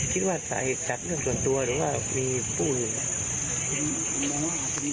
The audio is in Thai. ถึงว่าสาเหตุแบบส่วนตัวหรือว่ามีผู้จัดได้